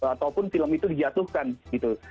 ataupun film itu dijatuhkan gitu